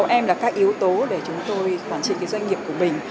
sáu em là các yếu tố để chúng tôi quản trị doanh nghiệp của mình